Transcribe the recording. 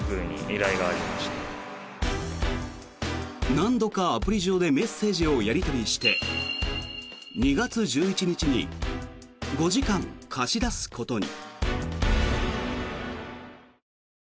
何度かアプリ上でメッセージをやり取りして２月１１日に５時間貸し出すことに。